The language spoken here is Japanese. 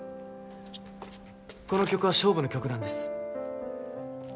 この曲は勝負の曲なんです